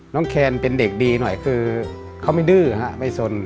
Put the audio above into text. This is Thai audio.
น้องแขนเป็นเด็กดีหน่อยเขาไม่ดื้อไม่สน